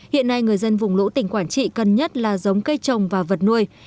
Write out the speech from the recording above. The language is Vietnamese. hiện nay người dân vùng lũ tỉnh quảng trị cân nhất là giống cây trồng và vật nuôi